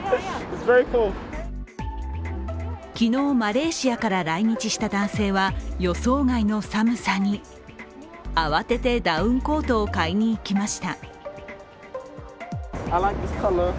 昨日、マレーシアから来日した男性は予想外の寒さに慌ててダウンコートを買いに行きました。